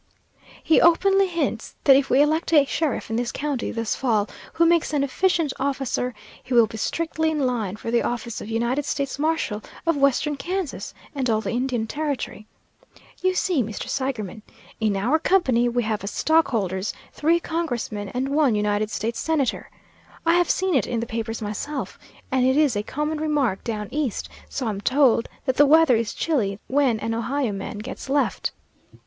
"He openly hints that if we elect a sheriff in this county this fall who makes an efficient officer, he will be strictly in line for the office of United States Marshal of western Kansas and all the Indian Territory. You see, Mr. Seigerman, in our company we have as stock holders three congressmen and one United States senator. I have seen it in the papers myself, and it is a common remark Down East, so I'm told, that the weather is chilly when an Ohio man gets left.